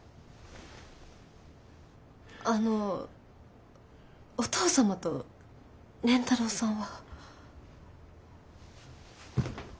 あのお父様と蓮太郎さんは。